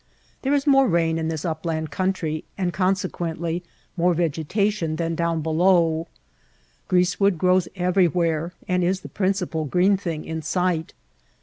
There is more rain in this upland country and consequently more vegetation than down below. Grease wood grows everywhere and is the principal green thing in sight.